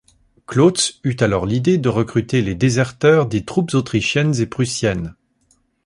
Cloots eut alors l'idée de recruter les déserteurs des troupes autrichiennes et prussiennes.